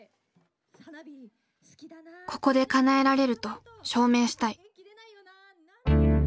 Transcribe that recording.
ここでかなえられると証明したい。